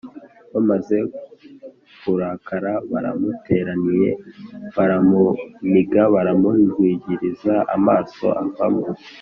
Bamaze kurakara baramuteraniye baramuniga baramujwigiriza amaso avamo